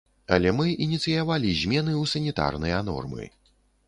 Але мы ініцыявалі змены ў санітарныя нормы.